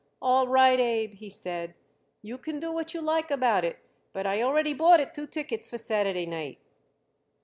"All right, Abe," he said, "you can do what you like about it, but I already bought it two tickets for Saturday night."